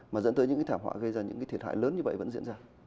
mà dẫn tới những thảm họa gây ra những thiệt hại lớn như vậy vẫn diễn ra